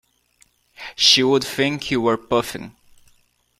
She would think you were puffing.